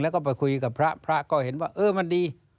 แล้วก็ไปคุยกับพระพระก็เห็นว่าเออมันดี